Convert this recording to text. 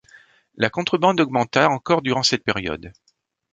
La contrebande augmenta encore durant cette période.